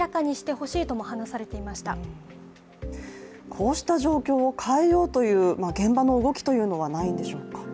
こうした状況を変えようという現場の動きというのはないんでしょうか？